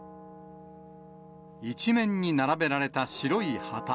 一面に並べられた白い旗。